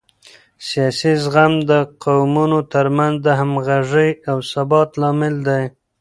سیاسي زغم د قومونو ترمنځ د همغږۍ او ثبات لامل دی